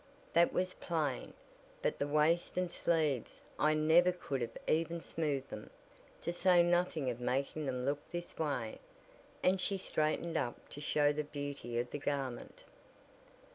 "That was plain, but the waist and sleeves I never could have even smoothed them, to say nothing of making them look this way," and she straightened up to show the beauty of the garment.